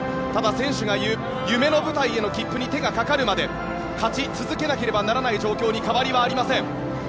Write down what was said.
ただ、選手が言う夢の舞台への切符に手がかかるまで勝ち続けなければならない状況に変わりはありません。